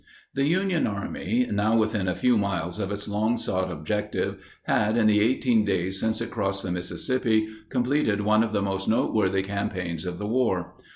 The Union Army, now within a few miles of its long sought objective, had, in the 18 days since it crossed the Mississippi, completed one of the most noteworthy campaigns of the war.